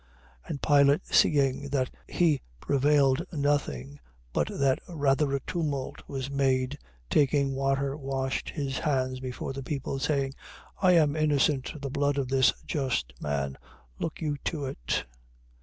27:24. And Pilate seeing that he prevailed nothing, but that rather a tumult was made, taking water washed his hands before the people, saying: I am innocent of the blood of this just man. Look you to it.